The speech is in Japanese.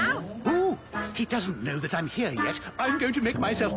おっ。